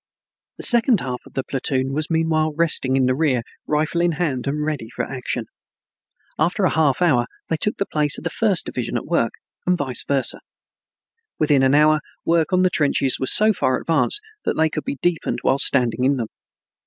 The second half of the platoon was meanwhile resting in the rear, rifle in hand and ready for action. After a half hour they took the place of the first division at work, and vice versa. Within an hour work on the trenches was so far advanced that they could be deepened while standing in them.